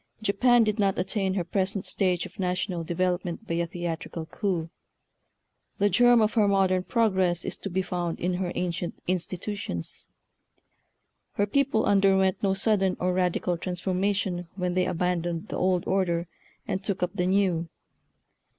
Japan did not attain her present stage of national development by a theatrical coup. The germ of her modern progress is to be found in her ancient institutions. Her people under went no sudden or radical transformation when they abandoned the old order and took up the new.